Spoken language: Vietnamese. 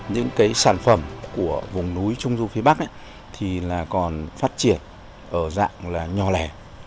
những sản phẩm của vùng núi trung du phía bắc còn phát triển ở dạng nhò lẻ